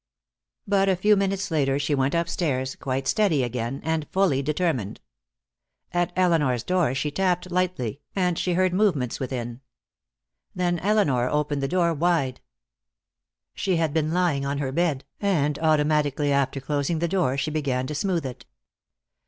But a few minutes later she went upstairs, quite steady again, and fully determined. At Elinor's door she tapped lightly, and she heard movements within. Then Elinor opened the door wide. She had been lying on her bed, and automatically after closing the door she began to smooth it.